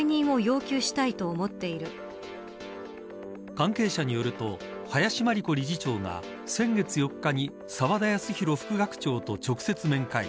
関係者によると林真理子理事長が先月４日に澤田康広副学長と直接面会。